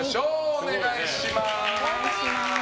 お願いします。